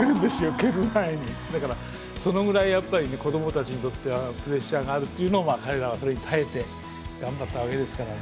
蹴る前に、そのぐらい子供たちにとってはプレッシャーがあるという彼らはそれに耐えて頑張ったわけですからね。